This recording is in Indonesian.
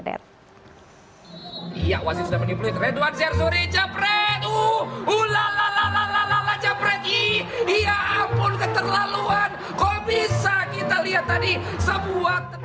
ya wasit sudah menipu keren doang zer suri jebret uh uh la la la la la la la jebret ii iya ampun keterlaluan kok bisa kita lihat tadi sebuah